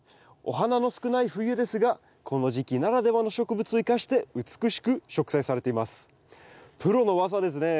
お花の少ない冬ですがこの時期ならではの植物を生かして美しく植栽されています。